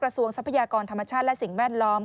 ทรวงทรัพยากรธรรมชาติและสิ่งแวดล้อม